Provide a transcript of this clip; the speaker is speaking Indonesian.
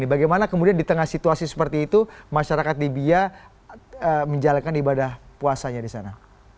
bagaimana kemudian di tengah situasi seperti itu masyarakat di bia menjalankan ibadah puasanya di sana